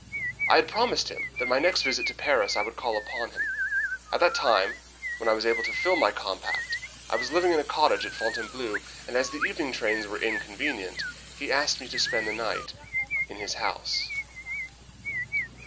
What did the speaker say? I had promised him that on my next visit to Paris I would call upon him. At the time when I was able to fulfil my compact I was living in a cottage at Fontainebleau, and as the evening trains were inconvenient, he asked me to spend the night in his house.